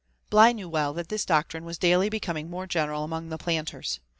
Bligh well knew that this doctrine was daily becoming more general among the planters.